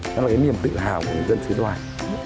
nó là cái niềm tự hào của người dân sứ đoài